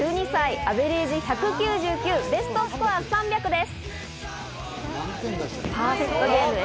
アベレージ１９９、ベストスコア３００です。